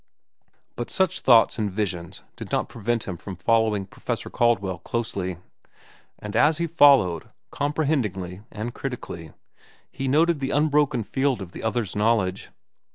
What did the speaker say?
But such thoughts and visions did not prevent him from following Professor Caldwell closely. And as he followed, comprehendingly and critically, he noted the unbroken field of the other's knowledge.